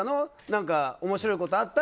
何か面白いことあった？